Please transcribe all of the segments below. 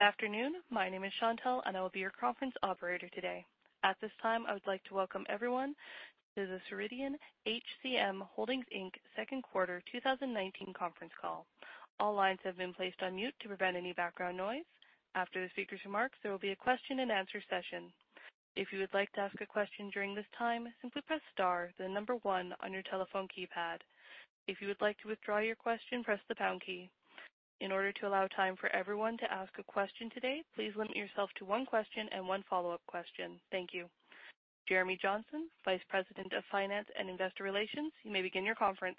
Good afternoon. My name is Chantelle, and I will be your conference operator today. At this time, I would like to welcome everyone to the Ceridian HCM Holdings, Inc., Second Quarter 2019 Conference Call. All lines have been placed on mute to prevent any background noise. After the speakers' remarks, there will be a question and answer session. If you would like to ask a question during this time, simply press star, then 1 on your telephone keypad. If you would like to withdraw your question, press the pound key. In order to allow time for everyone to ask a question today, please limit yourself to 1 question and 1 follow-up question. Thank you. Jeremy Johnson, Vice President of Finance and Investor Relations, you may begin your conference.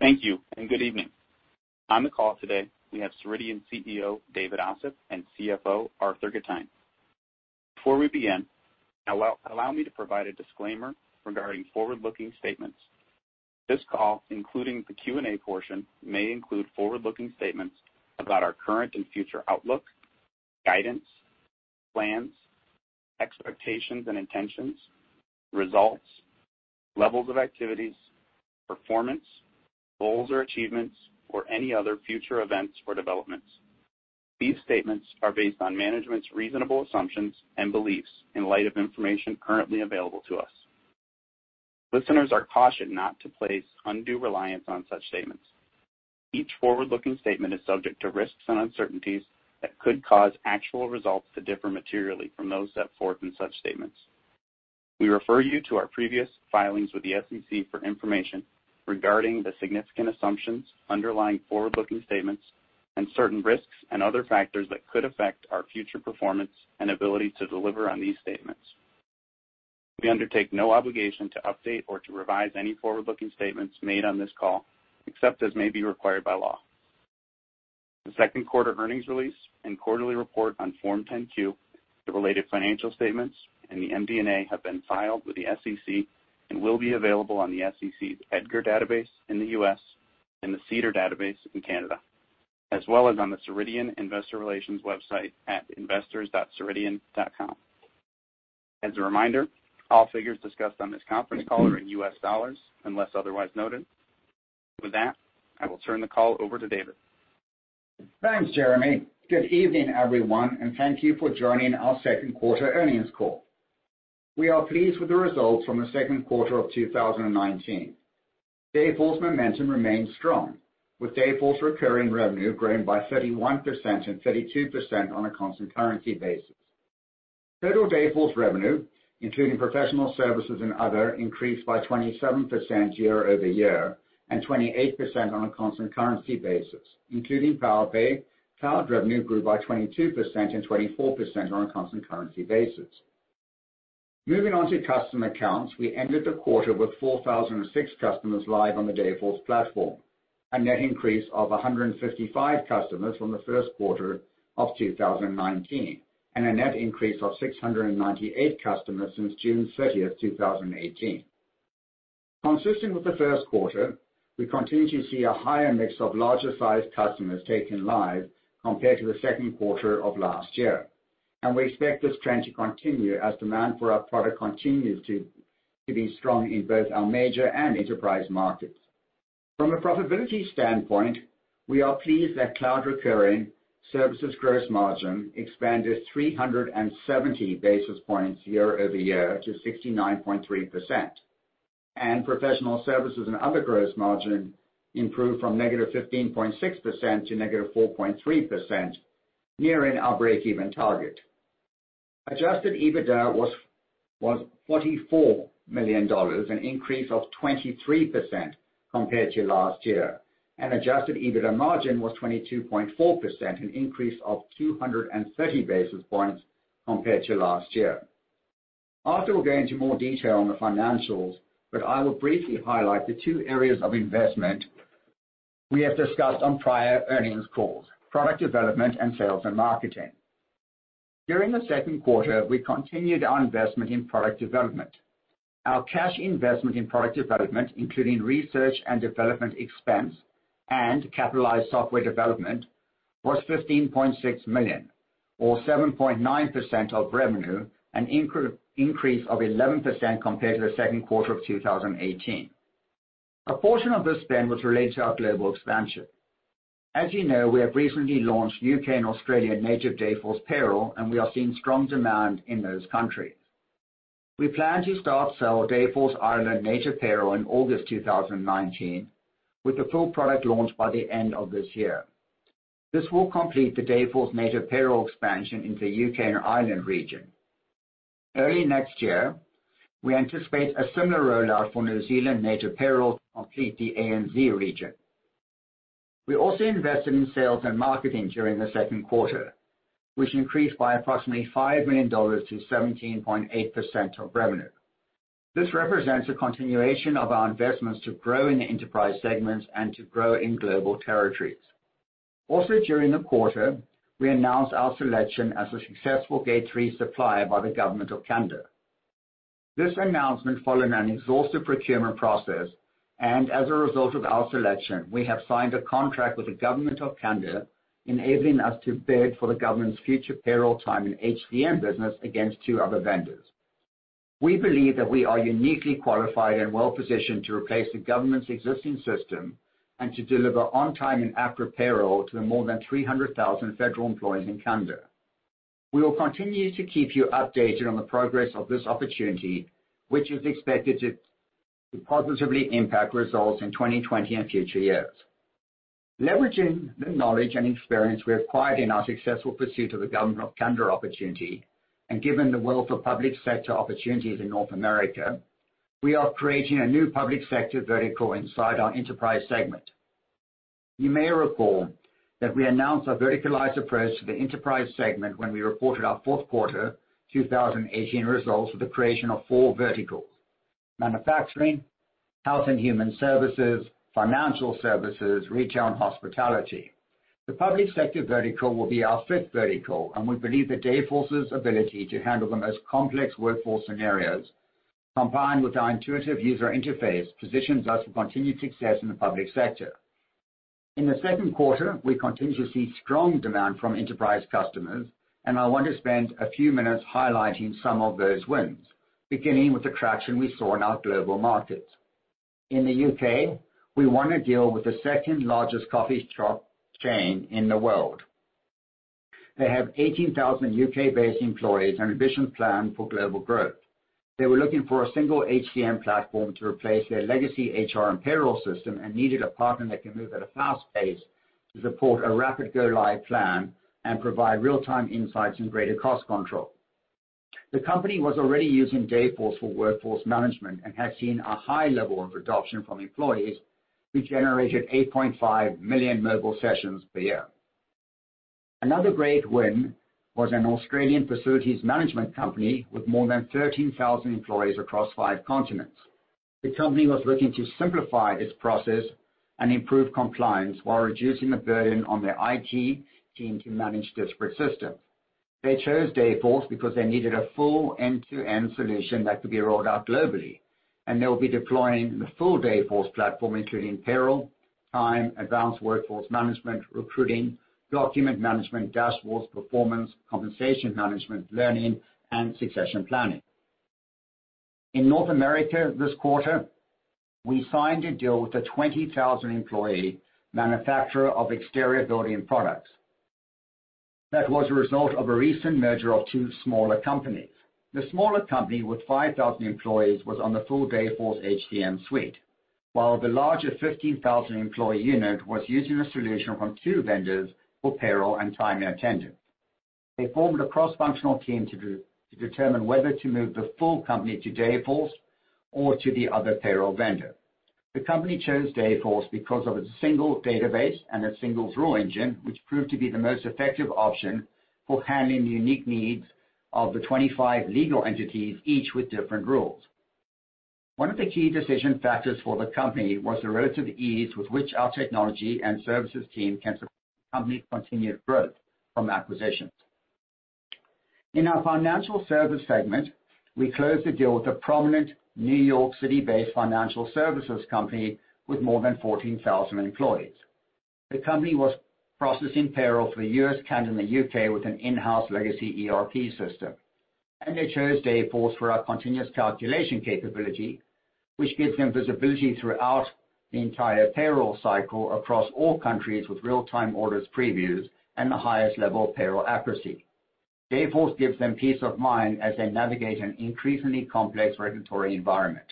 Thank you, and good evening. On the call today, we have Ceridian CEO, David Ossip, and CFO, Arthur Gitajn. Before we begin, allow me to provide a disclaimer regarding forward-looking statements. This call, including the Q&A portion, may include forward-looking statements about our current and future outlook, guidance, plans, expectations and intentions, results, levels of activities, performance, goals or achievements, or any other future events or developments. These statements are based on management's reasonable assumptions and beliefs in light of information currently available to us. Listeners are cautioned not to place undue reliance on such statements. Each forward-looking statement is subject to risks and uncertainties that could cause actual results to differ materially from those set forth in such statements. We refer you to our previous filings with the SEC for information regarding the significant assumptions underlying forward-looking statements and certain risks and other factors that could affect our future performance and ability to deliver on these statements. We undertake no obligation to update or to revise any forward-looking statements made on this call, except as may be required by law. The second quarter earnings release and quarterly report on Form 10-Q, the related financial statements and the MD&A have been filed with the SEC and will be available on the SEC's EDGAR database in the U.S. and the SEDAR database in Canada, as well as on the Ceridian investor relations website at investors.ceridian.com. As a reminder, all figures discussed on this conference call are in US dollars, unless otherwise noted. With that, I will turn the call over to David. Thanks, Jeremy. Good evening, everyone, thank you for joining our second quarter earnings call. We are pleased with the results from the second quarter of 2019. Dayforce momentum remains strong, with Dayforce recurring revenue growing by 31% and 32% on a constant currency basis. Total Dayforce revenue, including professional services and other, increased by 27% year-over-year and 28% on a constant currency basis. Including Powerpay, cloud revenue grew by 22% and 24% on a constant currency basis. Moving on to customer counts, we ended the quarter with 4,006 customers live on the Dayforce platform, a net increase of 155 customers from the first quarter of 2019, a net increase of 698 customers since June 30th, 2018. Consistent with the first quarter, we continue to see a higher mix of larger-sized customers taking live compared to the second quarter of last year. We expect this trend to continue as demand for our product continues to be strong in both our major and enterprise markets. From a profitability standpoint, we are pleased that cloud recurring services gross margin expanded 370 basis points year-over-year to 69.3%. Professional services and other gross margin improved from negative 15.6% to negative 4.3%, nearing our breakeven target. Adjusted EBITDA was $44 million, an increase of 23% compared to last year. Adjusted EBITDA margin was 22.4%, an increase of 230 basis points compared to last year. Arthur will go into more detail on the financials, but I will briefly highlight the two areas of investment we have discussed on prior earnings calls, product development and sales and marketing. During the second quarter, we continued our investment in product development. Our cash investment in product development, including research and development expense and capitalized software development, was $15.6 million, or 7.9% of revenue, an increase of 11% compared to the second quarter of 2018. A portion of this spend was related to our global expansion. As you know, we have recently launched U.K. and Australian native Dayforce Payroll. We are seeing strong demand in those countries. We plan to start sell Dayforce Ireland Native Payroll in August 2019, with the full product launch by the end of this year. This will complete the Dayforce Native Payroll expansion into the U.K. and Ireland region. Early next year, we anticipate a similar rollout for New Zealand Native Payroll to complete the ANZ region. We also invested in sales and marketing during the second quarter, which increased by approximately $5 million to 17.8% of revenue. This represents a continuation of our investments to grow in the enterprise segments and to grow in global territories. Also, during the quarter, we announced our selection as a successful Gate 3 supplier by the Government of Canada. This announcement followed an exhaustive procurement process, and as a result of our selection, we have signed a contract with the Government of Canada, enabling us to bid for the Government's future payroll time and HCM business against two other vendors. We believe that we are uniquely qualified and well-positioned to replace the Government's existing system and to deliver on-time and accurate payroll to the more than 300,000 federal employees in Canada. We will continue to keep you updated on the progress of this opportunity, which is expected to positively impact results in 2020 and future years. Leveraging the knowledge and experience we acquired in our successful pursuit of the government of Canada opportunity, and given the wealth of public sector opportunities in North America, we are creating a new public sector vertical inside our enterprise segment. You may recall that we announced our verticalized approach to the enterprise segment when we reported our fourth quarter 2018 results with the creation of 4 verticals, manufacturing, health and human services, financial services, retail, and hospitality. The public sector vertical will be our fifth vertical, and we believe that Dayforce's ability to handle the most complex workforce scenarios, combined with our intuitive user interface, positions us for continued success in the public sector. In the second quarter, we continue to see strong demand from enterprise customers, and I want to spend a few minutes highlighting some of those wins, beginning with the traction we saw in our global markets. In the U.K., we won a deal with the second-largest coffee shop chain in the world. They have 18,000 U.K.-based employees and ambitious plan for global growth. They were looking for a single HCM platform to replace their legacy HR and payroll system and needed a partner that can move at a fast pace to support a rapid go-live plan and provide real-time insights and greater cost control. The company was already using Dayforce for workforce management and had seen a high level of adoption from employees, which generated 8.5 million mobile sessions per year. Another great win was an Australian facilities management company with more than 13,000 employees across five continents. The company was looking to simplify its process and improve compliance while reducing the burden on their IT team to manage disparate systems. They chose Dayforce because they needed a full end-to-end solution that could be rolled out globally, and they will be deploying the full Dayforce platform, including payroll, time, advanced workforce management, recruiting, document management, dashboards, performance, compensation management, learning, and succession planning. In North America this quarter, we signed a deal with a 20,000 employee manufacturer of exterior building products that was a result of a recent merger of two smaller companies. The smaller company with 5,000 employees was on the full Dayforce HCM suite, while the larger 15,000 employee unit was using a solution from two vendors for payroll and time and attendance. They formed a cross-functional team to determine whether to move the full company to Dayforce or to the other payroll vendor. The company chose Dayforce because of its single database and its single rule engine, which proved to be the most effective option for handling the unique needs of the 25 legal entities, each with different rules. One of the key decision factors for the company was the relative ease with which our technology and services team can support the company's continued growth from acquisitions. In our financial service segment, we closed a deal with a prominent New York City-based financial services company with more than 14,000 employees. The company was processing payroll for the U.S., Canada, and the U.K. with an in-house legacy ERP system. They chose Dayforce for our continuous calculation capability, which gives them visibility throughout the entire payroll cycle across all countries with real-time orders previews, and the highest level of payroll accuracy. Dayforce gives them peace of mind as they navigate an increasingly complex regulatory environment.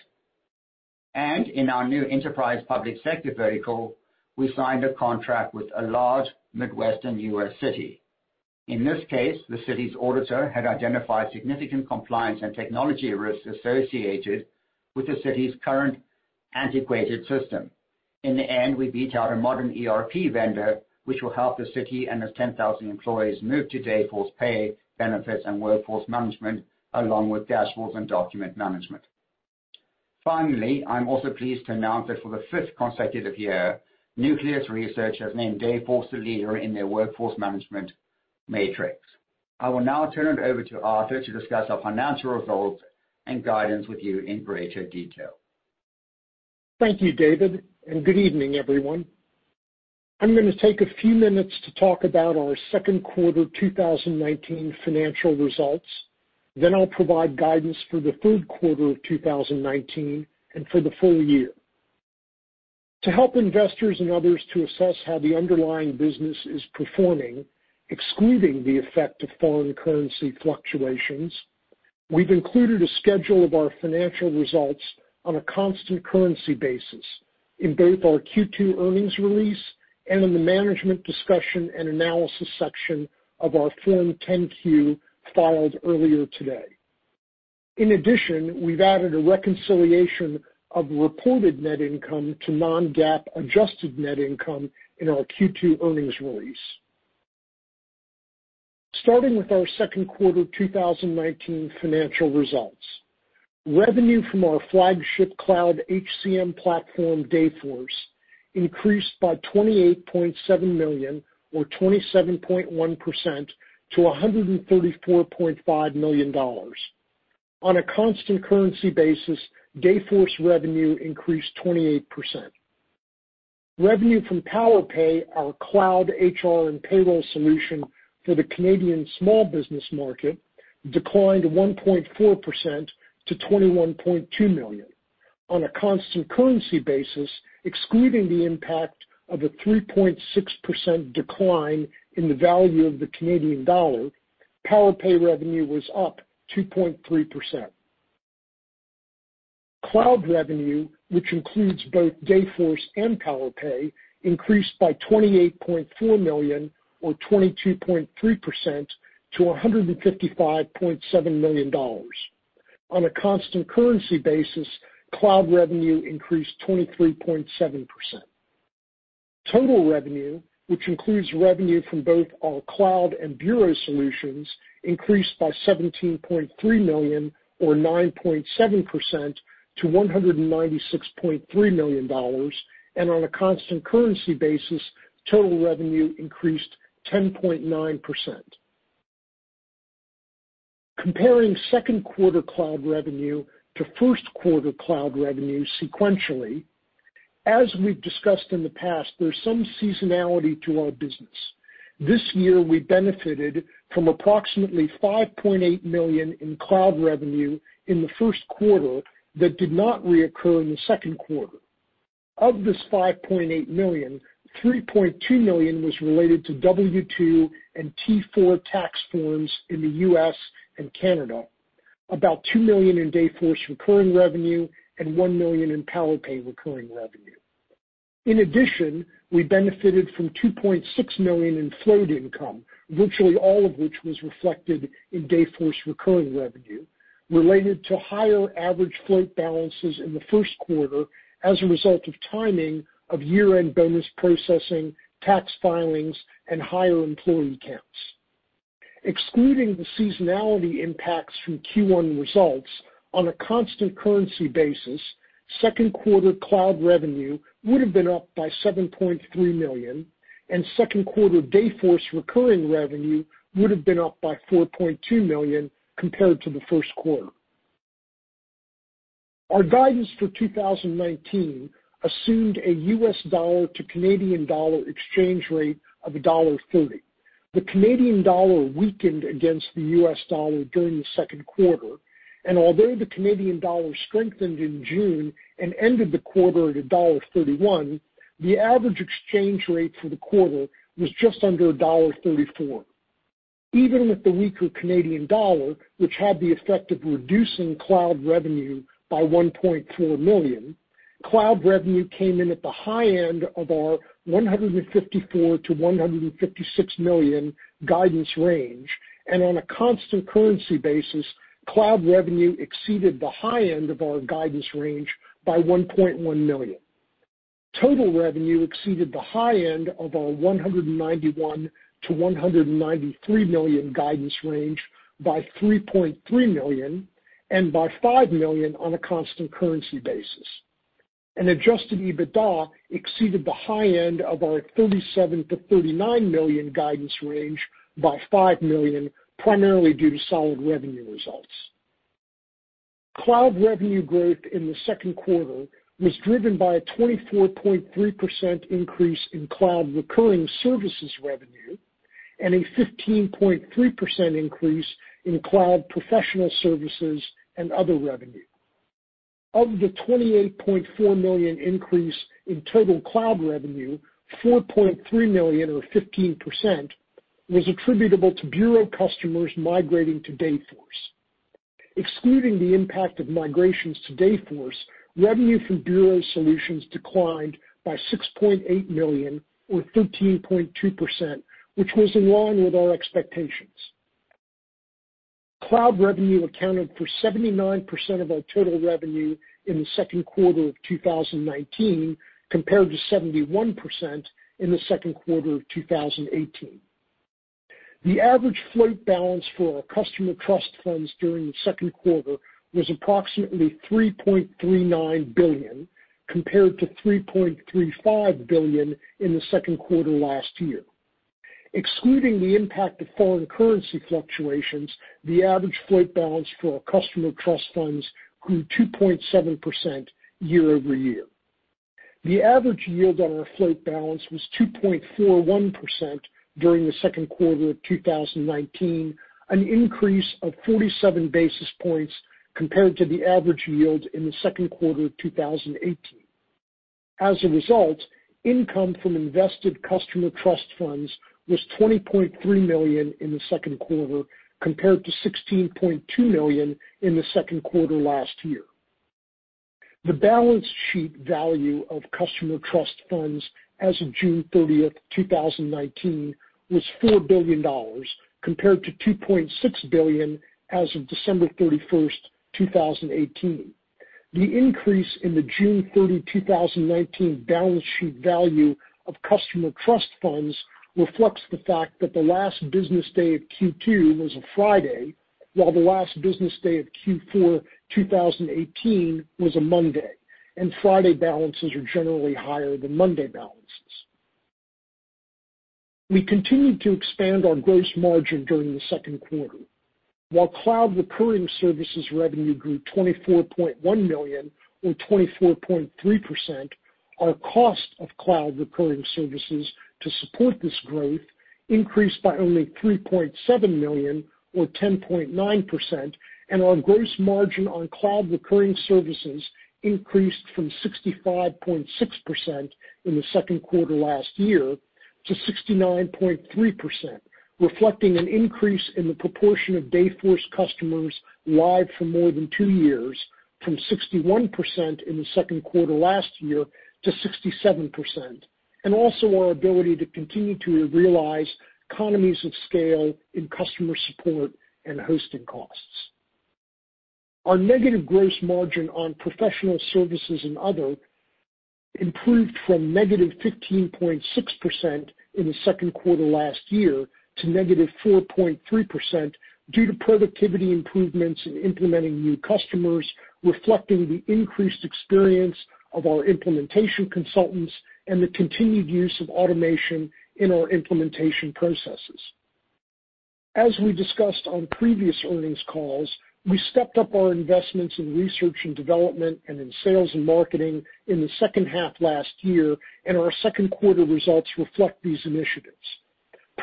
In our new enterprise public sector vertical, we signed a contract with a large Midwestern US city. In this case, the city's auditor had identified significant compliance and technology risks associated with the city's current antiquated system. In the end, we beat out a modern ERP vendor, which will help the city and its 10,000 employees move to Dayforce pay, benefits, and workforce management, along with dashboards and document management. I'm also pleased to announce that for the fifth consecutive year, Nucleus Research has named Dayforce the leader in their workforce management matrix. I will now turn it over to Arthur to discuss our financial results and guidance with you in greater detail. Thank you, David, and good evening, everyone. I'm going to take a few minutes to talk about our second quarter 2019 financial results. I'll provide guidance for the third quarter of 2019 and for the full year. To help investors and others to assess how the underlying business is performing, excluding the effect of foreign currency fluctuations, we've included a schedule of our financial results on a constant currency basis in both our Q2 earnings release and in the Management Discussion and Analysis section of our Form 10-Q filed earlier today. We've added a reconciliation of reported net income to non-GAAP adjusted net income in our Q2 earnings release. Starting with our second quarter 2019 financial results. Revenue from our flagship cloud HCM platform, Dayforce, increased by $28.7 million or 27.1% to $134.5 million. On a constant currency basis, Dayforce revenue increased 28%. Revenue from Powerpay, our cloud HR and payroll solution for the Canadian small business market, declined 1.4% to 21.2 million. On a constant currency basis, excluding the impact of a 3.6% decline in the value of the Canadian dollar, Powerpay revenue was up 2.3%. Cloud revenue, which includes both Dayforce and Powerpay, increased by $28.4 million or 22.3% to $155.7 million. On a constant currency basis, cloud revenue increased 23.7%. Total revenue, which includes revenue from both our cloud and bureau solutions, increased by $17.3 million or 9.7% to $196.3 million. On a constant currency basis, total revenue increased 10.9%. Comparing second quarter cloud revenue to first quarter cloud revenue sequentially, as we've discussed in the past, there's some seasonality to our business. This year, we benefited from approximately $5.8 million in cloud revenue in the first quarter that did not recur in the second quarter. Of this $5.8 million, $3.2 million was related to W2 and T4 tax forms in the U.S. and Canada, about $2 million in Dayforce recurring revenue, and $1 million in Powerpay recurring revenue. In addition, we benefited from $2.6 million in float income, virtually all of which was reflected in Dayforce recurring revenue, related to higher average float balances in the first quarter as a result of timing of year-end bonus processing, tax filings, and higher employee counts. Excluding the seasonality impacts from Q1 results, on a constant currency basis, second quarter cloud revenue would have been up by $7.3 million, and second quarter Dayforce recurring revenue would have been up by $4.2 million compared to the first quarter. Our guidance for 2019 assumed a US dollar to Canadian dollar exchange rate of dollar 1.30. The Canadian dollar weakened against the US dollar during the second quarter, and although the Canadian dollar strengthened in June and ended the quarter at dollar 1.31, the average exchange rate for the quarter was just under dollar 1.34. Even with the weaker Canadian dollar, which had the effect of reducing cloud revenue by $1.4 million, cloud revenue came in at the high end of our $154 million-$156 million guidance range, and on a constant currency basis, cloud revenue exceeded the high end of our guidance range by $1.1 million. Total revenue exceeded the high end of our $191 million-$193 million guidance range by $3.3 million, and by $5 million on a constant currency basis. Adjusted EBITDA exceeded the high end of our $37 million-$39 million guidance range by $5 million, primarily due to solid revenue results. Cloud revenue growth in the second quarter was driven by a 24.3% increase in cloud recurring services revenue and a 15.3% increase in cloud professional services and other revenue. Of the $28.4 million increase in total cloud revenue, $4.3 million or 15% was attributable to bureau customers migrating to Dayforce. Excluding the impact of migrations to Dayforce, revenue from bureau solutions declined by $6.8 million or 13.2%, which was in line with our expectations. Cloud revenue accounted for 79% of our total revenue in the second quarter of 2019, compared to 71% in the second quarter of 2018. The average float balance for our customer trust funds during the second quarter was approximately $3.39 billion, compared to $3.35 billion in the second quarter last year. Excluding the impact of foreign currency fluctuations, the average float balance for our customer trust funds grew 2.7% year-over-year. The average yield on our float balance was 2.41% during the second quarter of 2019, an increase of 47 basis points compared to the average yield in the second quarter of 2018. As a result, income from invested customer trust funds was $20.3 million in the second quarter, compared to $16.2 million in the second quarter last year. The balance sheet value of customer trust funds as of June 30th, 2019 was $4 billion, compared to $2.6 billion as of December 31st, 2018. The increase in the June 30, 2019 balance sheet value of customer trust funds reflects the fact that the last business day of Q2 was a Friday, while the last business day of Q4 2018 was a Monday, and Friday balances are generally higher than Monday balances. We continued to expand our gross margin during the second quarter. While cloud recurring services revenue grew 24.1 million or 24.3%, our cost of cloud recurring services to support this growth increased by only 3.7 million or 10.9%, and our gross margin on cloud recurring services increased from 65.6% in the second quarter last year to 69.3%, reflecting an increase in the proportion of Dayforce customers live for more than two years from 61% in the second quarter last year to 67%. Also our ability to continue to realize economies of scale in customer support and hosting costs. Our negative gross margin on professional services and other improved from negative 15.6% in the second quarter last year to negative 4.3% due to productivity improvements in implementing new customers, reflecting the increased experience of our implementation consultants and the continued use of automation in our implementation processes. As we discussed on previous earnings calls, we stepped up our investments in research and development and in sales and marketing in the second half last year, our second quarter results reflect these initiatives.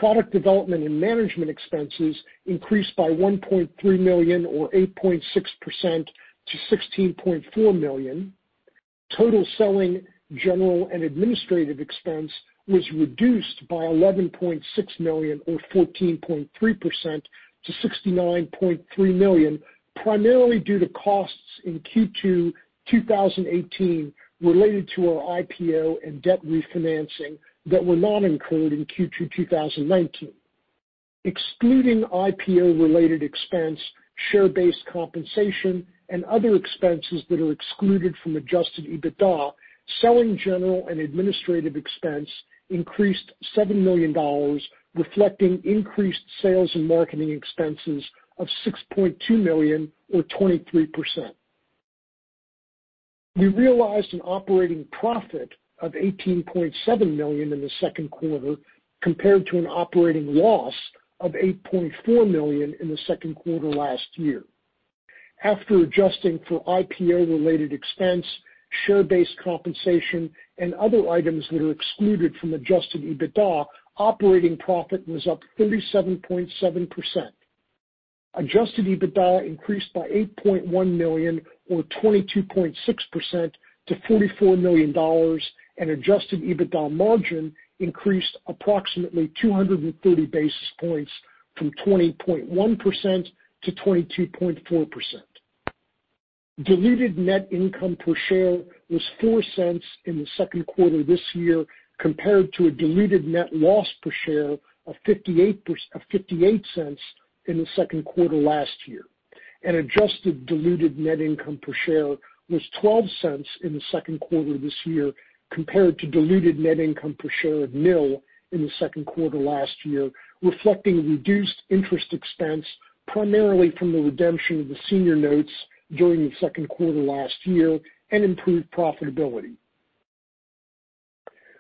Product development and management expenses increased by $1.3 million or 8.6% to $16.4 million. Total selling, general and administrative expense was reduced by $11.6 million or 14.3% to $69.3 million, primarily due to costs in Q2 2018 related to our IPO and debt refinancing that were not incurred in Q2 2019. Excluding IPO-related expense, share-based compensation and other expenses that are excluded from adjusted EBITDA, selling general and administrative expense increased $7 million, reflecting increased sales and marketing expenses of $6.2 million or 23%. We realized an operating profit of $18.7 million in the second quarter compared to an operating loss of $8.4 million in the second quarter last year. After adjusting for IPO-related expense, share-based compensation, and other items that are excluded from adjusted EBITDA, operating profit was up 37.7%. Adjusted EBITDA increased by $8.1 million or 22.6% to $44 million, and adjusted EBITDA margin increased approximately 230 basis points from 20.1% to 22.4%. Diluted net income per share was $0.04 in the second quarter this year compared to a diluted net loss per share of $0.58 in the second quarter last year. Adjusted diluted net income per share was $0.12 in the second quarter this year compared to diluted net income per share of nil in the second quarter last year, reflecting reduced interest expense, primarily from the redemption of the senior notes during the second quarter last year, and improved profitability.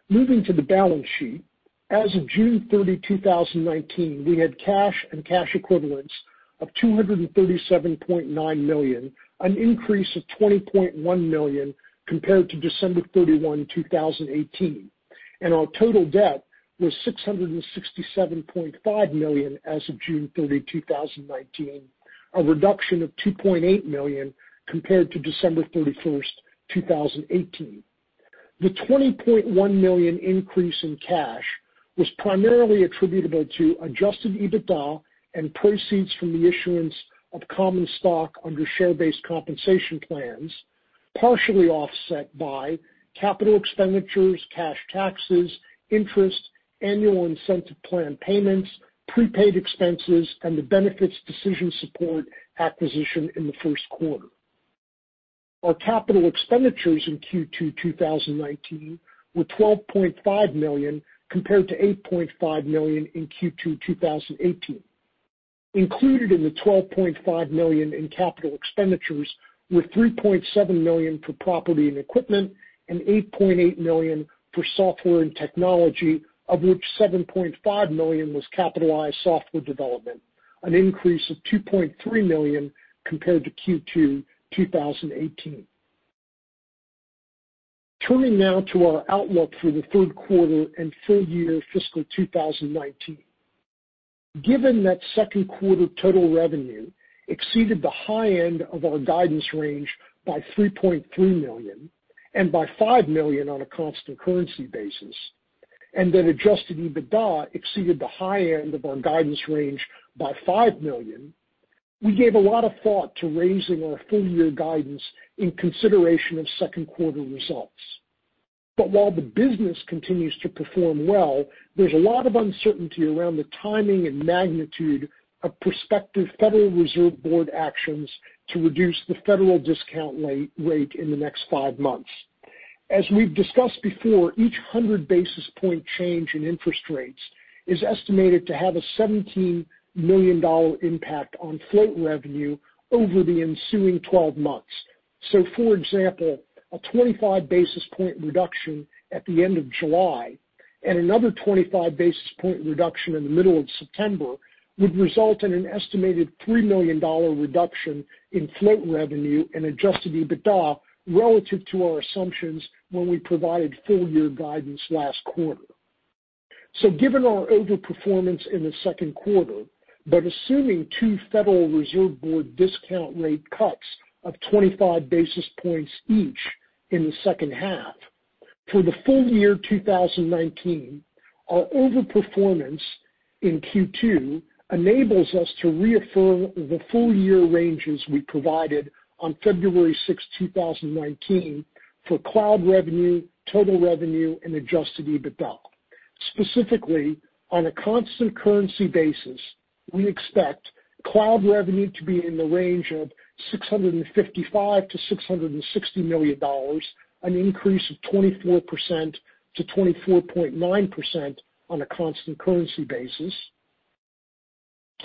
Moving to the balance sheet. As of June 30, 2019, we had cash and cash equivalents of 237.9 million, an increase of 20.1 million compared to December 31, 2018. Our total debt was 667.5 million as of June 30, 2019, a reduction of 2.8 million compared to December 31, 2018. The 20.1 million increase in cash was primarily attributable to adjusted EBITDA and proceeds from the issuance of common stock under share-based compensation plans, partially offset by capital expenditures, cash taxes, interest, annual incentive plan payments, prepaid expenses, and the Benefits Decision Support acquisition in the first quarter. Our capital expenditures in Q2 2019 were 12.5 million compared to 8.5 million in Q2 2018. Included in the $12.5 million in capital expenditures were $3.7 million for property and equipment and $8.8 million for software and technology, of which $7.5 million was capitalized software development, an increase of $2.3 million compared to Q2 2018. Turning now to our outlook for the third quarter and full year fiscal 2019. Given that second quarter total revenue exceeded the high end of our guidance range by $3.3 million and by $5 million on a constant currency basis, and that adjusted EBITDA exceeded the high end of our guidance range by $5 million, we gave a lot of thought to raising our full-year guidance in consideration of second quarter results. While the business continues to perform well, there's a lot of uncertainty around the timing and magnitude of prospective Federal Reserve Board actions to reduce the federal discount rate in the next five months. As we've discussed before, each 100 basis point change in interest rates is estimated to have a $17 million impact on float revenue over the ensuing 12 months. For example, a 25 basis point reduction at the end of July and another 25 basis point reduction in the middle of September would result in an estimated $3 million reduction in float revenue and adjusted EBITDA relative to our assumptions when we provided full year guidance last quarter. Given our overperformance in the second quarter, but assuming two Federal Reserve Board discount rate cuts of 25 basis points each in the second half. For the full year 2019, our overperformance in Q2 enables us to reaffirm the full year ranges we provided on February 6, 2019, for cloud revenue, total revenue, and adjusted EBITDA. Specifically, on a constant currency basis, we expect cloud revenue to be in the range of $655 million-$660 million, an increase of 24%-24.9% on a constant currency basis.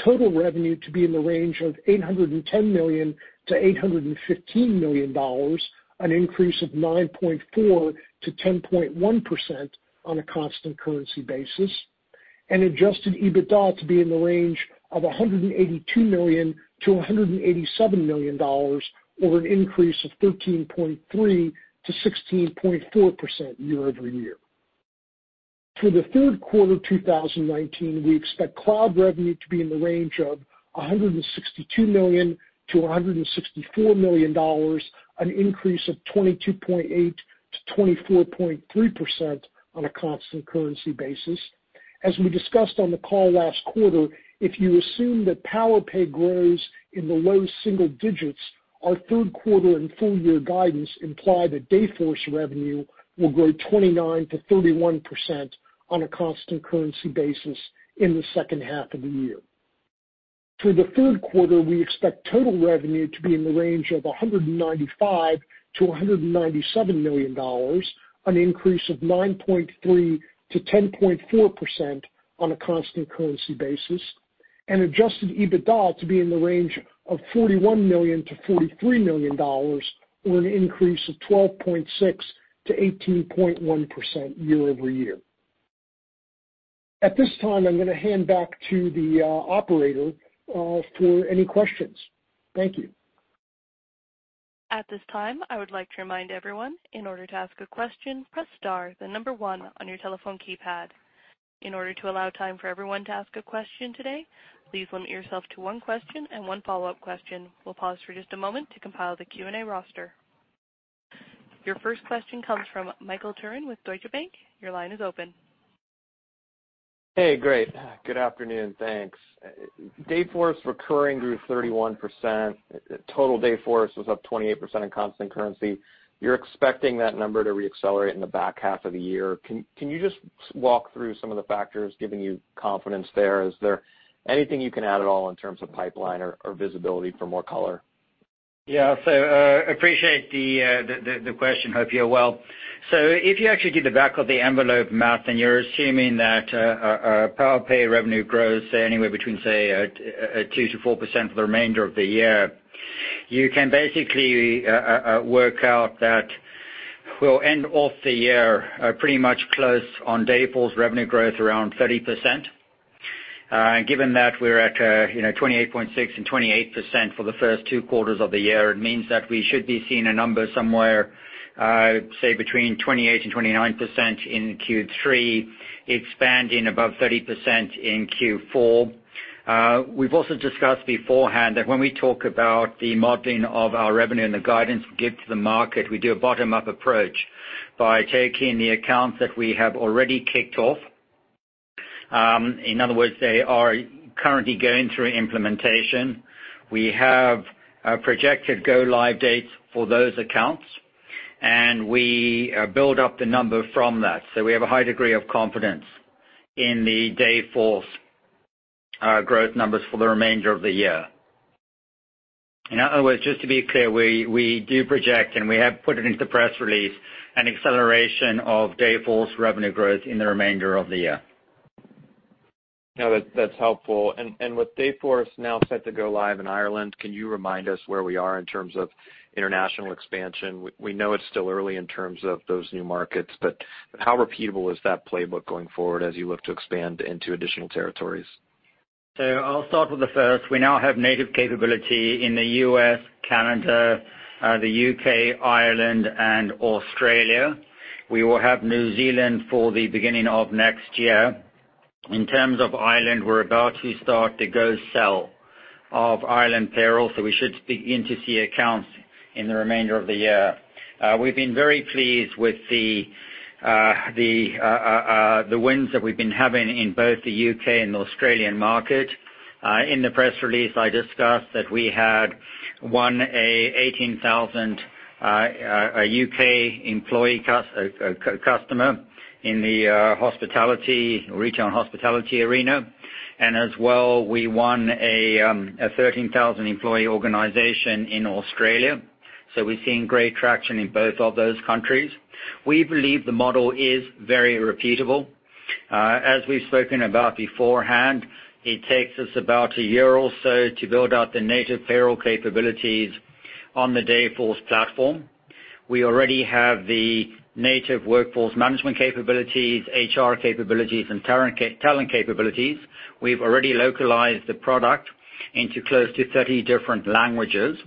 Total revenue to be in the range of $810 million-$815 million, an increase of 9.4%-10.1% on a constant currency basis, and adjusted EBITDA to be in the range of $182 million-$187 million, or an increase of 13.3%-16.4% year-over-year. For the third quarter 2019, we expect cloud revenue to be in the range of $162 million-$164 million, an increase of 22.8%-24.3% on a constant currency basis. As we discussed on the call last quarter, if you assume that Powerpay grows in the low single digits, our third quarter and full year guidance imply that Dayforce revenue will grow 29%-31% on a constant currency basis in the second half of the year. For the third quarter, we expect total revenue to be in the range of $195 million-$197 million, an increase of 9.3%-10.4% on a constant currency basis, and adjusted EBITDA to be in the range of $41 million-$43 million, or an increase of 12.6%-18.1% year over year. At this time, I'm going to hand back to the operator for any questions. Thank you. At this time, I would like to remind everyone, in order to ask a question, press star then number one on your telephone keypad. In order to allow time for everyone to ask a question today, please limit yourself to one question and one follow-up question. We'll pause for just a moment to compile the Q&A roster. Your first question comes from Michael Turrin with Deutsche Bank. Your line is open. Hey, great. Good afternoon. Thanks. Dayforce recurring grew 31%, total Dayforce was up 28% in constant currency. You're expecting that number to re-accelerate in the back half of the year. Can you just walk through some of the factors giving you confidence there? Is there anything you can add at all in terms of pipeline or visibility for more color? Yeah. Appreciate the question. Hope you're well. If you actually do the back of the envelope math, and you're assuming that our Powerpay revenue grows, say, anywhere between, say, 2%-4% for the remainder of the year, you can basically work out that we'll end off the year pretty much close on Dayforce revenue growth around 30%. Given that we're at 28.6% and 28% for the first two quarters of the year, it means that we should be seeing a number somewhere, say between 28%-29% in Q3, expanding above 30% in Q4. We've also discussed beforehand that when we talk about the modeling of our revenue and the guidance we give to the market, we do a bottom-up approach by taking the accounts that we have already kicked off. In other words, they are currently going through implementation. We have projected go-live dates for those accounts, and we build up the number from that. We have a high degree of confidence in the Dayforce growth numbers for the remainder of the year. In other words, just to be clear, we do project, and we have put it into press release, an acceleration of Dayforce revenue growth in the remainder of the year. No, that's helpful. With Dayforce now set to go live in Ireland, can you remind us where we are in terms of international expansion? We know it's still early in terms of those new markets, but how repeatable is that playbook going forward as you look to expand into additional territories? I'll start with the first. We now have native capability in the U.S., Canada, the U.K., Ireland, and Australia. We will have New Zealand for the beginning of next year. In terms of Ireland, we're about to start the go sell of Ireland payroll, so we should begin to see accounts in the remainder of the year. We've been very pleased with the wins that we've been having in both the U.K. and the Australian market. In the press release, I discussed that we had won an 18,000 U.K. employee customer in the retail and hospitality arena. As well, we won a 13,000-employee organization in Australia. We're seeing great traction in both of those countries. We believe the model is very repeatable. As we've spoken about beforehand, it takes us about a year or so to build out the native payroll capabilities on the Dayforce platform. We already have the native workforce management capabilities, HR capabilities, and talent capabilities. We've already localized the product into close to 30 different languages.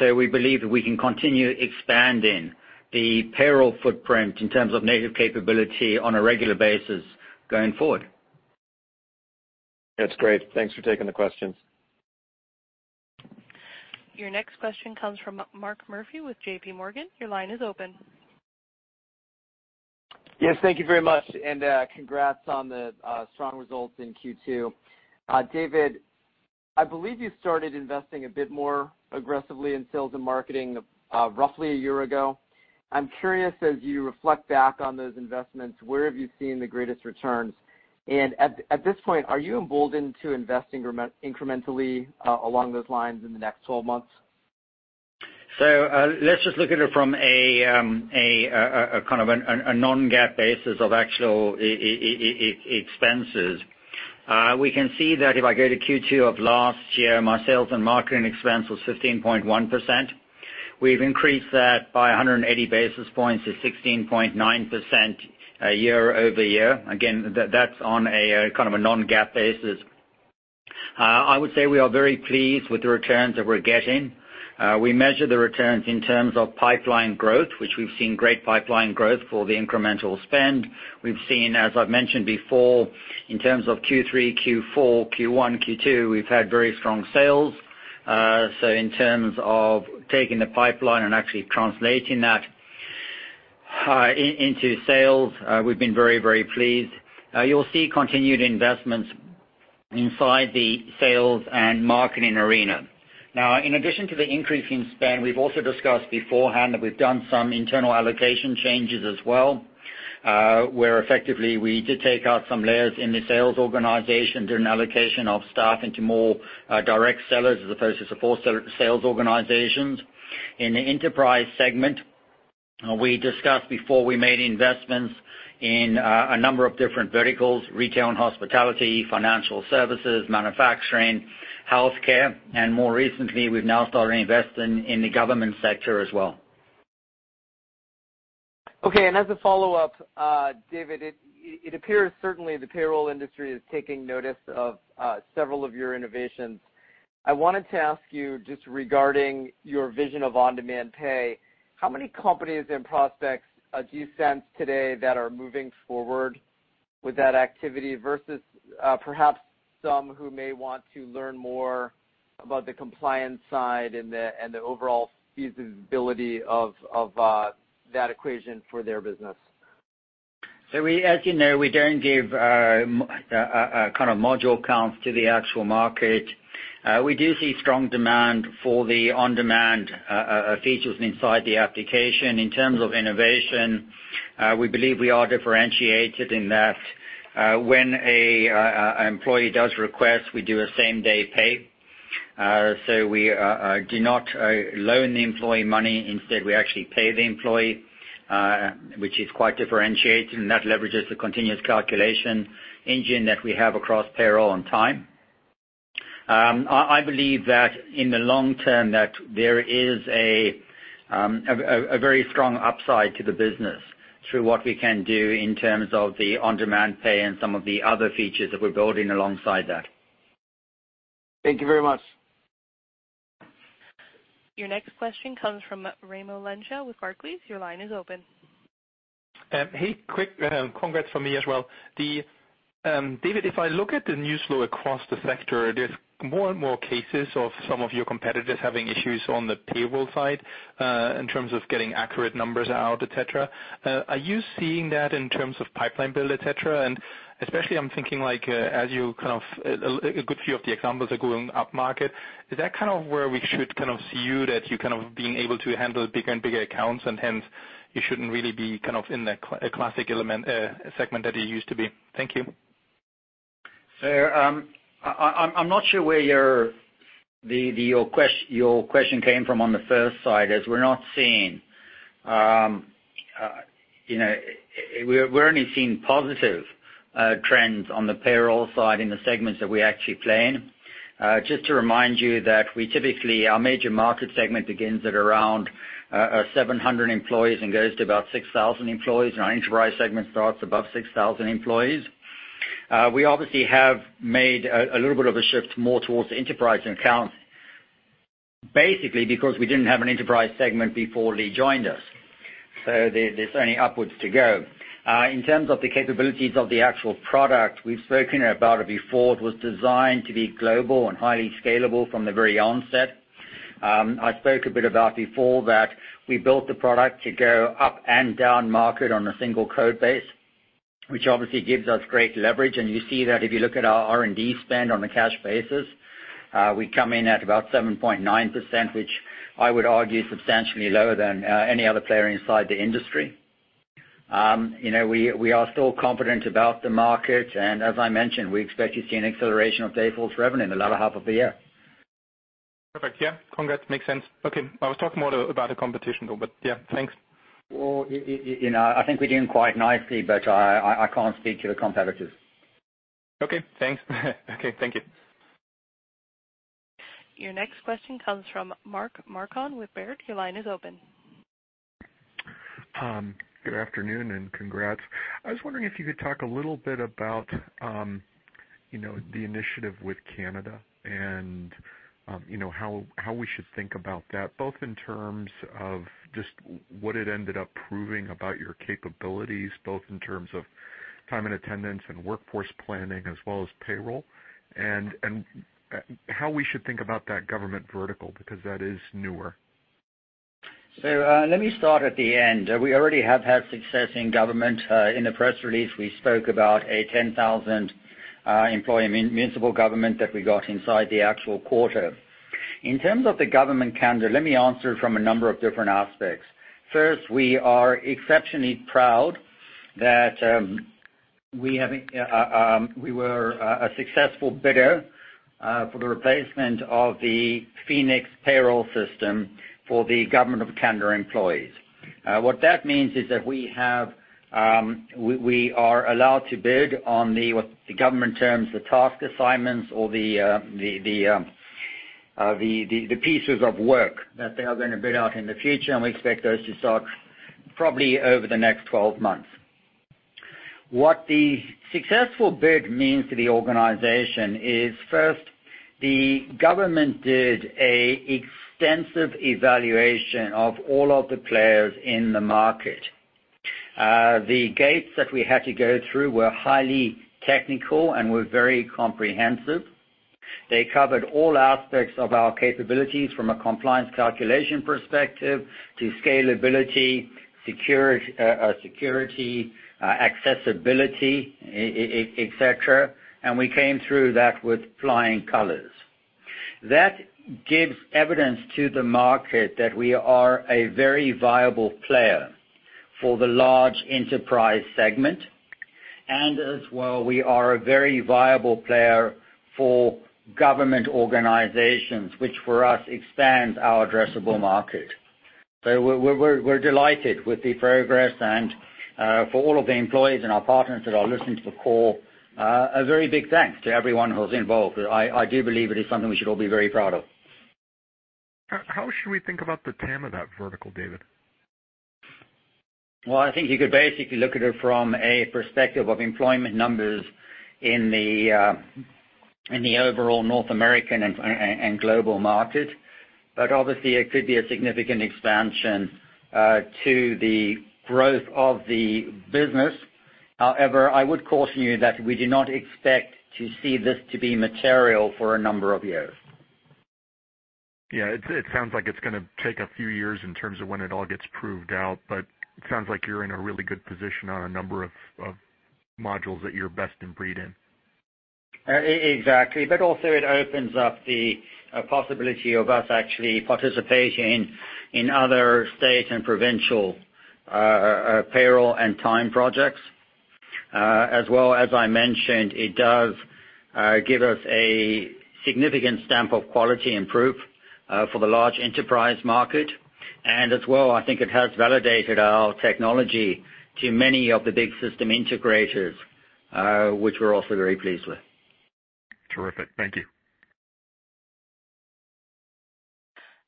We believe that we can continue expanding the payroll footprint in terms of native capability on a regular basis going forward. That's great. Thanks for taking the question. Your next question comes from Mark Murphy with J.P. Morgan. Your line is open. Yes, thank you very much, and congrats on the strong results in Q2. David, I believe you started investing a bit more aggressively in sales and marketing roughly a year ago. I'm curious, as you reflect back on those investments, where have you seen the greatest returns? At this point, are you emboldened to invest incrementally along those lines in the next 12 months? Let's just look at it from a non-GAAP basis of actual expenses. We can see that if I go to Q2 of last year, my sales and marketing expense was 15.1%. We've increased that by 180 basis points to 16.9% year-over-year. Again, that's on a non-GAAP basis. I would say we are very pleased with the returns that we're getting. We measure the returns in terms of pipeline growth, which we've seen great pipeline growth for the incremental spend. We've seen, as I've mentioned before, in terms of Q3, Q4, Q1, Q2, we've had very strong sales. In terms of taking the pipeline and actually translating that into sales, we've been very pleased. You'll see continued investments inside the sales and marketing arena. Now, in addition to the increase in spend, we've also discussed beforehand that we've done some internal allocation changes as well, where effectively we did take out some layers in the sales organization, doing allocation of staff into more direct sellers as opposed to support sales organizations. In the enterprise segment, we discussed before we made investments in a number of different verticals, retail and hospitality, financial services, manufacturing, healthcare, and more recently, we've now started investing in the government sector as well. Okay, as a follow-up, David, it appears certainly the payroll industry is taking notice of several of your innovations. I wanted to ask you just regarding your vision of on-demand pay, how many companies and prospects do you sense today that are moving forward with that activity versus perhaps some who may want to learn more about the compliance side and the overall feasibility of that equation for their business? As you know, we don't give a module count to the actual market. We do see strong demand for the on-demand features inside the application. In terms of innovation, we believe we are differentiated in that when an employee does request, we do a same-day pay. We do not loan the employee money. Instead, we actually pay the employee, which is quite differentiating. That leverages the continuous calculation engine that we have across payroll and time. I believe that in the long term that there is a very strong upside to the business through what we can do in terms of the on-demand pay and some of the other features that we're building alongside that. Thank you very much. Your next question comes from Raimo Lenschow with Barclays. Your line is open. Hey, quick congrats from me as well. David, if I look at the news flow across the sector, there's more and more cases of some of your competitors having issues on the payroll side in terms of getting accurate numbers out, et cetera. Are you seeing that in terms of pipeline build, et cetera? Especially I'm thinking like a good few of the examples are going up market. Is that where we should see you, that you being able to handle bigger and bigger accounts and hence you shouldn't really be in that classic element segment that you used to be? Thank you. I'm not sure where your question came from on the first side, as we're only seeing positive trends on the payroll side in the segments that we actually play in. Just to remind you that we typically, our major market segment begins at around 700 employees and goes to about 6,000 employees, and our enterprise segment starts above 6,000 employees. We obviously have made a little bit of a shift more towards the enterprise accounts, basically because we didn't have an enterprise segment before Lee joined us. There's only upwards to go. In terms of the capabilities of the actual product, we've spoken about it before. It was designed to be global and highly scalable from the very onset. I spoke a bit about before that we built the product to go up and down market on a single code base, which obviously gives us great leverage, and you see that if you look at our R&D spend on a cash basis. We come in at about 7.9%, which I would argue is substantially lower than any other player inside the industry. We are still confident about the market, and as I mentioned, we expect to see an acceleration of Dayforce revenue in the latter half of the year. Perfect. Yeah. Congrats. Makes sense. Okay. I was talking more about the competition though, but yeah, thanks. Well, I think we're doing quite nicely, but I can't speak to the competitors. Okay. Thanks. Okay. Thank you. Your next question comes from Mark Marcon with Baird. Your line is open. Good afternoon, and congrats. I was wondering if you could talk a little bit about the initiative with Canada and how we should think about that, both in terms of just what it ended up proving about your capabilities, both in terms of time and attendance and workforce planning as well as payroll, and how we should think about that government vertical, because that is newer. Let me start at the end. We already have had success in government. In the press release, we spoke about a 10,000-employee municipal government that we got inside the actual quarter. In terms of the government calendar, let me answer from a number of different aspects. First, we are exceptionally proud that we were a successful bidder for the replacement of the Phoenix payroll system for the government of Canada employees. What that means is that we are allowed to bid on the, what the government terms, the task assignments or the pieces of work that they are going to bid out in the future, and we expect those to start probably over the next 12 months. What the successful bid means to the organization is, first, the government did an extensive evaluation of all of the players in the market. The gates that we had to go through were highly technical and were very comprehensive. They covered all aspects of our capabilities, from a compliance calculation perspective to scalability, security, accessibility, et cetera, and we came through that with flying colors. That gives evidence to the market that we are a very viable player for the large enterprise segment. As well, we are a very viable player for government organizations, which for us, expands our addressable market. We're delighted with the progress, and for all of the employees and our partners that are listening to the call, a very big thanks to everyone who was involved. I do believe it is something we should all be very proud of. How should we think about the TAM of that vertical, David? Well, I think you could basically look at it from a perspective of employment numbers in the overall North American and global market, but obviously it could be a significant expansion to the growth of the business. I would caution you that we do not expect to see this to be material for a number of years. It sounds like it's going to take a few years in terms of when it all gets proved out, but it sounds like you're in a really good position on a number of modules that you're best in breed in. Exactly. Also it opens up the possibility of us actually participating in other state and provincial payroll and time projects. As well, as I mentioned, it does give us a significant stamp of quality and proof for the large enterprise market. As well, I think it has validated our technology to many of the big system integrators, which we're also very pleased with. Terrific. Thank you.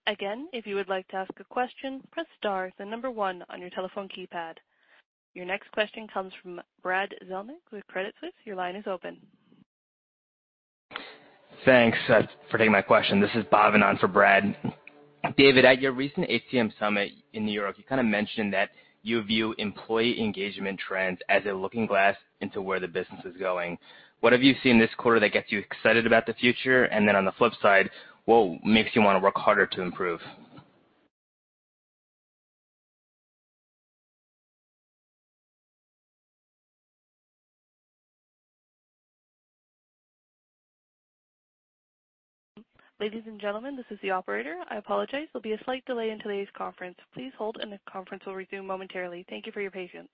Again, if you would like to ask a question, press star, then number one on your telephone keypad. Your next question comes from Brad Zelnick with Credit Suisse. Your line is open. Thanks for taking my question. This is Bhavin Shah for Brad. David, at your recent HCM Summit in New York, you kind of mentioned that you view employee engagement trends as a looking glass into where the business is going. What have you seen this quarter that gets you excited about the future? Then on the flip side, what makes you want to work harder to improve? Ladies and gentlemen, this is the operator. I apologize, there'll be a slight delay in today's conference. Please hold and the conference will resume momentarily. Thank you for your patience.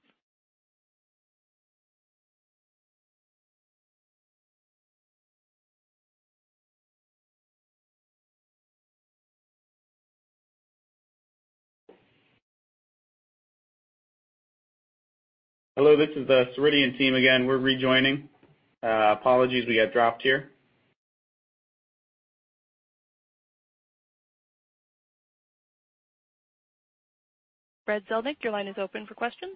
Hello, this is the Ceridian team again. We're rejoining. Apologies, we got dropped here. Brad Zelnick, your line is open for questions.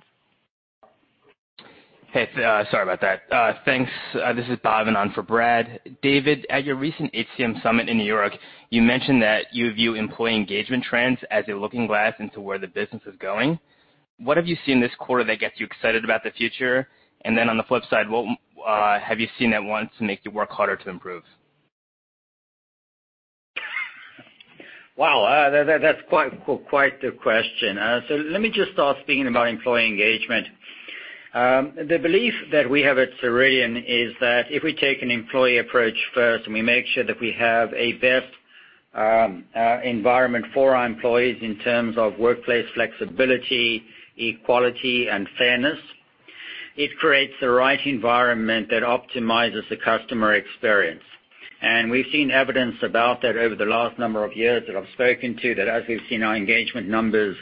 Hey. Sorry about that. Thanks. This is Bhavin Shah for Brad. David, at your recent HCM Summit in New York, you mentioned that you view employee engagement trends as a looking glass into where the business is going. What have you seen this quarter that gets you excited about the future? On the flip side, what have you seen that wants to make you work harder to improve? Wow. That's quite the question. Let me just start speaking about employee engagement. The belief that we have at Ceridian is that if we take an employee approach first, and we make sure that we have a best environment for our employees in terms of workplace flexibility, equality, and fairness. It creates the right environment that optimizes the customer experience. We've seen evidence about that over the last number of years that I've spoken to, that as we've seen our engagement numbers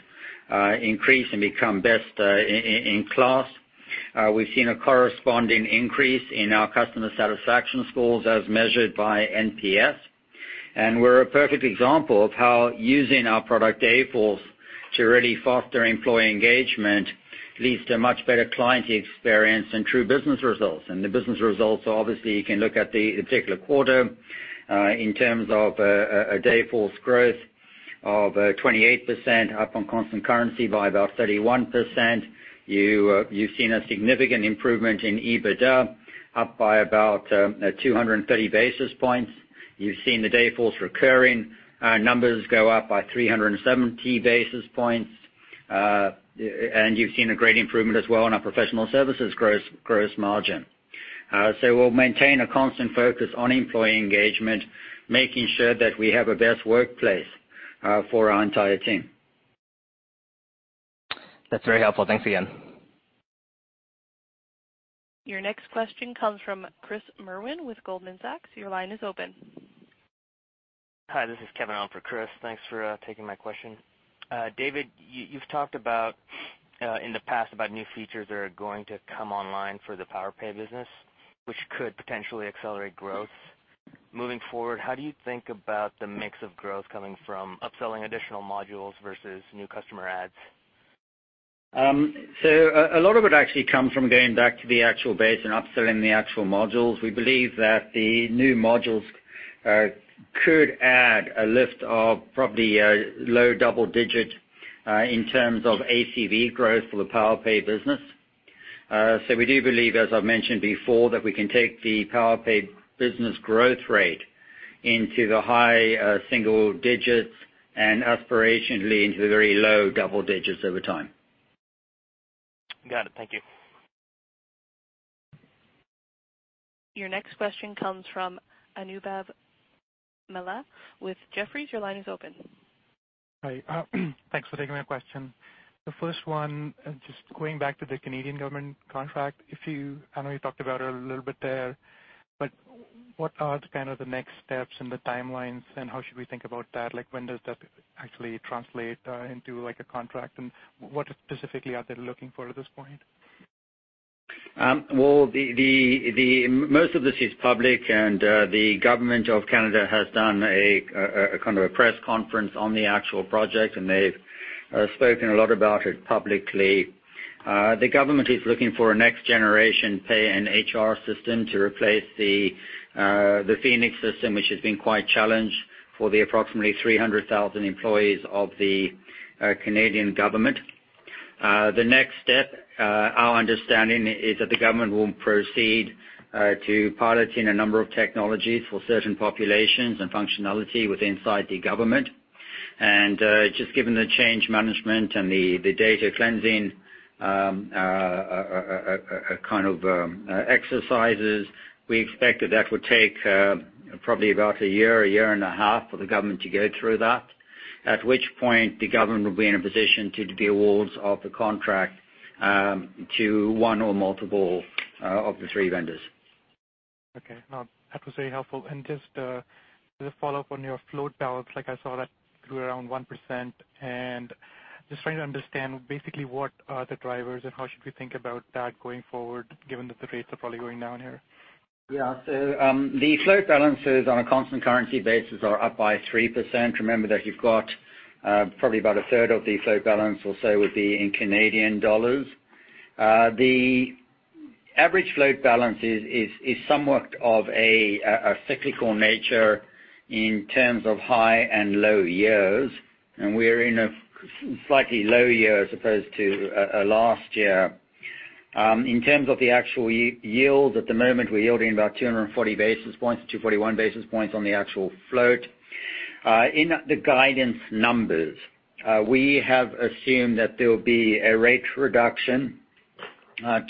increase and become best in class, we've seen a corresponding increase in our customer satisfaction scores as measured by NPS. We're a perfect example of how using our product, Dayforce, to really foster employee engagement leads to much better client experience and true business results. The business results, obviously, you can look at the particular quarter in terms of a Dayforce growth of 28%, up on constant currency by about 31%. You've seen a significant improvement in EBITDA, up by about 230 basis points. You've seen the Dayforce recurring revenue go up by 370 basis points. You've seen a great improvement as well on our Professional services gross margin. We'll maintain a constant focus on employee engagement, making sure that we have a best workplace for our entire team. That's very helpful. Thanks again. Your next question comes from Chris Merwin with Goldman Sachs. Your line is open. Hi, this is Kevin on for Chris. Thanks for taking my question. David, you've talked about, in the past, about new features that are going to come online for the Powerpay business, which could potentially accelerate growth. Moving forward, how do you think about the mix of growth coming from upselling additional modules versus new customer adds? A lot of it actually comes from going back to the actual base and upselling the actual modules. We believe that the new modules could add a lift of probably low double-digit in terms of ACV growth for the Powerpay business. We do believe, as I've mentioned before, that we can take the Powerpay business growth rate into the high single-digits and aspirationally into the very low double-digits over time. Got it. Thank you. Your next question comes from Anubhav Mela with Jefferies. Your line is open. Hi. Thanks for taking my question. The first one, just going back to the Canadian government contract, I know you talked about it a little bit there, what are the next steps and the timelines, how should we think about that? Like, when does that actually translate into a contract? What specifically are they looking for at this point? Well, most of this is public, the Government of Canada has done a kind of a press conference on the actual project, and they've spoken a lot about it publicly. The Government is looking for a next-generation pay and HR system to replace the Phoenix system, which has been quite challenged for the approximately 300,000 employees of the Canadian Government. The next step, our understanding is that the Government will proceed to piloting a number of technologies for certain populations and functionality within the Government. Just given the change management and the data cleansing kind of exercises, we expect that that would take probably about a year, a year and a half for the Government to go through that, at which point the Government will be in a position to do the awards of the contract to one or multiple of the three vendors. Okay. No, that was very helpful. Just as a follow-up on your float balance, like I saw that grew around 1%. Just trying to understand basically what are the drivers and how should we think about that going forward, given that the rates are probably going down here? Yeah. The float balances on a constant currency basis are up by 3%. Remember that you've got probably about a third of the float balance or so would be in Canadian dollars. The average float balance is somewhat of a cyclical nature in terms of high and low years, and we're in a slightly low year as opposed to last year. In terms of the actual yield, at the moment, we're yielding about 240 basis points, 241 basis points on the actual float. In the guidance numbers, we have assumed that there will be a rate reduction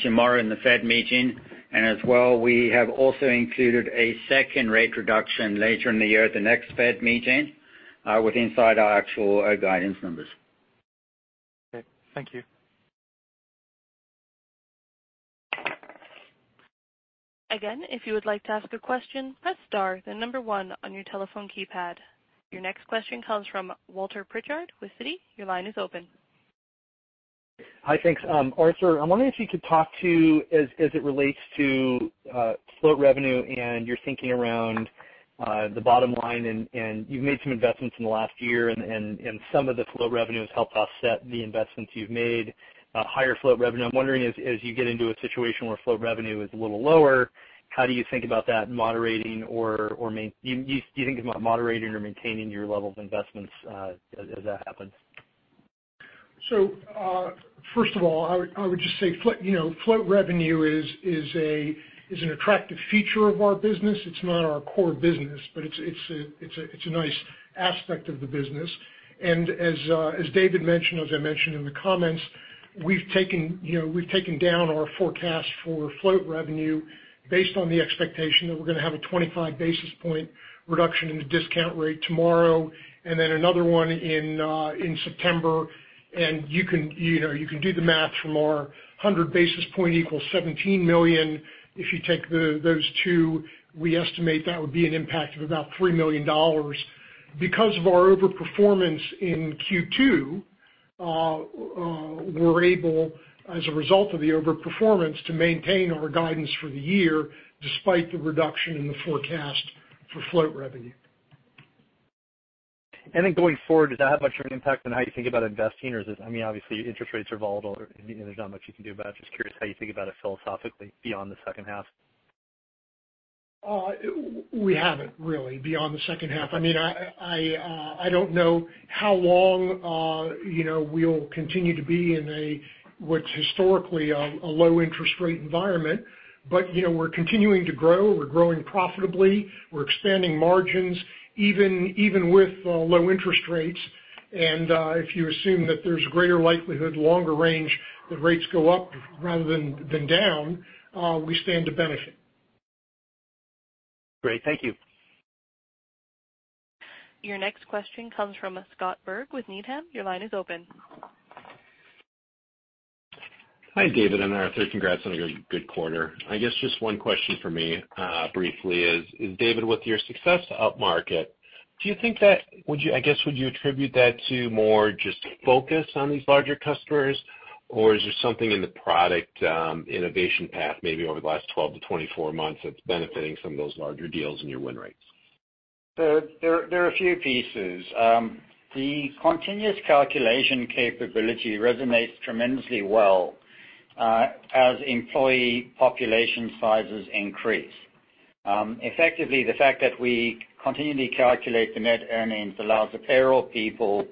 tomorrow in the Fed meeting, and as well, we have also included a second rate reduction later in the year at the next Fed meeting with inside our actual guidance numbers. Okay. Thank you. If you would like to ask a question, press star then number 1 on your telephone keypad. Your next question comes from Walter Pritchard with Citi. Your line is open. Hi, thanks. Arthur, I'm wondering if you could talk to, as it relates to float revenue and your thinking around the bottom line, and you've made some investments in the last year, and some of the float revenue has helped offset the investments you've made. Higher float revenue. I'm wondering, as you get into a situation where float revenue is a little lower, how do you think about that moderating or maintaining your level of investments as that happens? First of all, I would just say float revenue is an attractive feature of our business. It's not our core business, but it's a nice aspect of the business. As David mentioned, as I mentioned in the comments, we've taken down our forecast for float revenue based on the expectation that we're going to have a 25 basis point reduction in the discount rate tomorrow and then another one in September. You can do the math from our 100 basis points equals $17 million. If you take those two, we estimate that would be an impact of about $3 million. Because of our over-performance in Q2, we're able, as a result of the over-performance, to maintain our guidance for the year despite the reduction in the forecast for float revenue. Going forward, does that have much of an impact on how you think about investing? Obviously, interest rates are volatile, there's not much you can do about it. Just curious how you think about it philosophically beyond the second half. We haven't really, beyond the second half. I don't know how long we'll continue to be in a, what's historically, a low interest rate environment. We're continuing to grow. We're growing profitably. We're expanding margins even with low interest rates. If you assume that there's greater likelihood, longer range, that rates go up rather than down, we stand to benefit. Great. Thank you. Your next question comes from Scott Berg with Needham. Your line is open. Hi, David and Arthur. Congrats on a good quarter. I guess just one question from me, briefly is, David, with your success up market, I guess, would you attribute that to more just focus on these larger customers, or is there something in the product innovation path, maybe over the last 12 to 24 months, that's benefiting some of those larger deals and your win rates? There are a few pieces. The continuous calculation capability resonates tremendously well as employee population sizes increase. Effectively, the fact that we continually calculate the net earnings allows the payroll people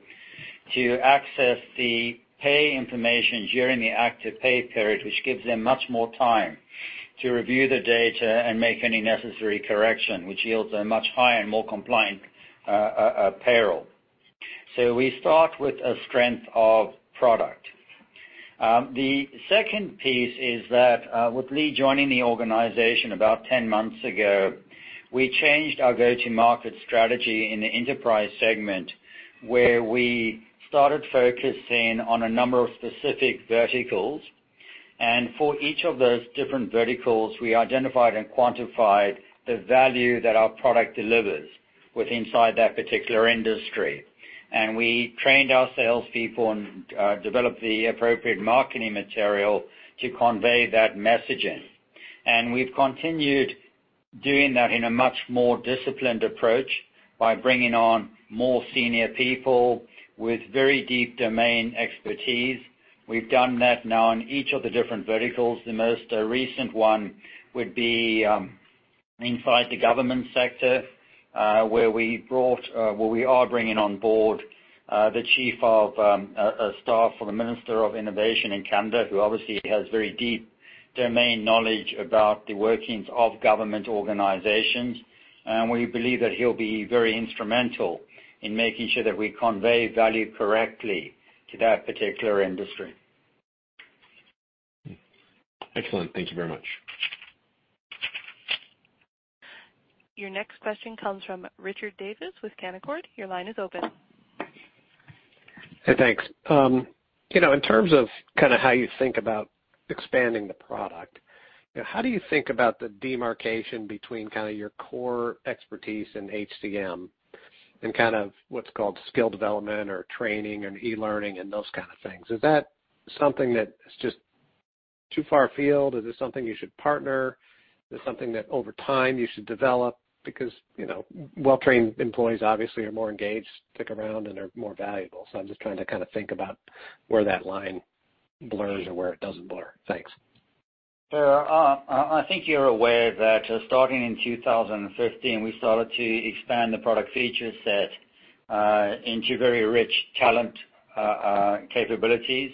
to access the pay information during the active pay period, which gives them much more time to review the data and make any necessary correction, which yields a much higher and more compliant payroll. We start with a strength of product. The second piece is that, with Lee joining the organization about 10 months ago, we changed our go-to-market strategy in the enterprise segment, where we started focusing on a number of specific verticals. For each of those different verticals, we identified and quantified the value that our product delivers with inside that particular industry. We trained our sales people and developed the appropriate marketing material to convey that messaging. We've continued doing that in a much more disciplined approach by bringing on more senior people with very deep domain expertise. We've done that now in each of the different verticals. The most recent one would be inside the government sector, where we are bringing on board the Chief of Staff for the Minister of Innovation in Canada, who obviously has very deep domain knowledge about the workings of government organizations. We believe that he'll be very instrumental in making sure that we convey value correctly to that particular industry. Excellent. Thank you very much. Your next question comes from Richard Davis with Canaccord. Your line is open. Thanks. In terms of how you think about expanding the product, how do you think about the demarcation between your core expertise in HCM and what's called skill development or training and e-learning and those kind of things? Is that something that is just too far afield? Is it something you should partner? Is it something that over time you should develop? Well-trained employees obviously are more engaged, stick around, and are more valuable. I'm just trying to think about where that line blurs or where it doesn't blur. Thanks. I think you're aware that starting in 2015, we started to expand the product feature set into very rich talent capabilities.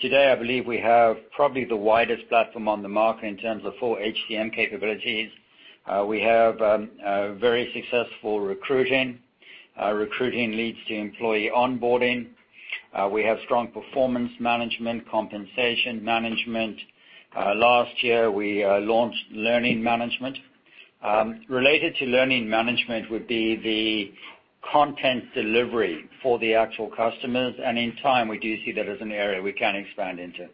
Today, I believe we have probably the widest platform on the market in terms of full HCM capabilities. We have very successful recruiting. Recruiting leads to employee onboarding. We have strong performance management, compensation management. Last year, we launched learning management. Related to learning management would be the content delivery for the actual customers, and in time, we do see that as an area we can expand into.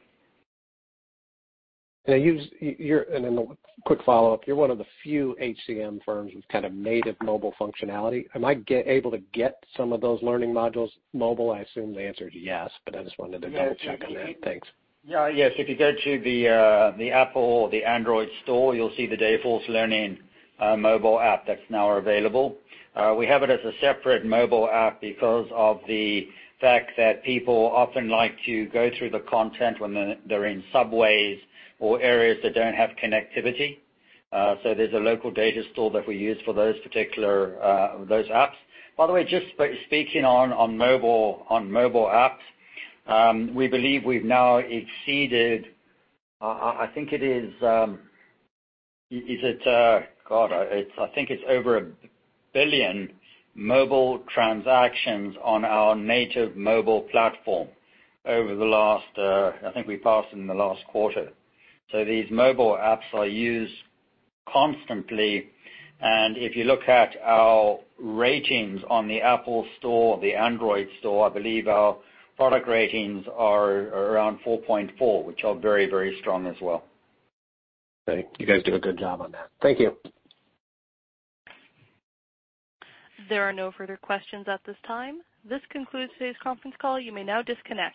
A quick follow-up. You're one of the few HCM firms with native mobile functionality. Am I able to get some of those learning modules mobile? I assume the answer is yes, but I just wanted to double-check on that. Thanks. Yes. If you go to the App Store or the Google Play Store, you'll see the Dayforce Learning mobile app that's now available. We have it as a separate mobile app because of the fact that people often like to go through the content when they're in subways or areas that don't have connectivity. There's a local data store that we use for those apps. By the way, just speaking on mobile apps, we believe we've now exceeded, I think it's over 1 billion mobile transactions on our native mobile platform. I think we passed it in the last quarter. These mobile apps are used constantly. If you look at our ratings on the App Store or the Google Play Store, I believe our product ratings are around 4.4, which are very strong as well. Great. You guys do a good job on that. Thank you. There are no further questions at this time. This concludes today's conference call. You may now disconnect.